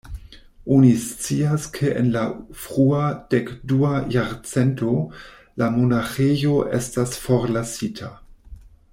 Oni scias ke en la frua dek-dua jarcento la monaĥejo estas forlasita.